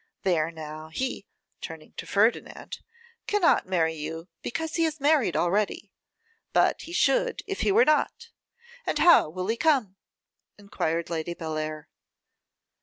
There now, he (turning to Ferdinand) cannot marry you, because he is married already; but he should, if he were not. And how will he come?' enquired Lady Bellair.